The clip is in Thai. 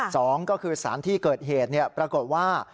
สองก็คือสารที่เกิดเหตุปรากฏว่า